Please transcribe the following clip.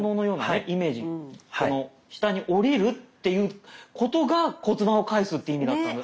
この下に下りるっていうことが骨盤をかえすって意味だったんだと。